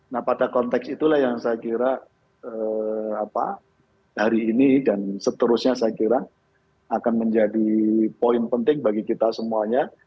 nah pada konteks itulah yang saya kira hari ini dan seterusnya saya kira akan menjadi poin penting bagi kita semuanya